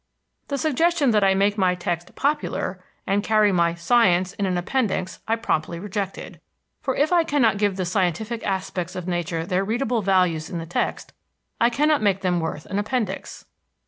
The suggestion that I make my text "popular" and carry my "science" in an appendix I promptly rejected, for if I cannot give the scientific aspects of nature their readable values in the text, I cannot make them worth an appendix.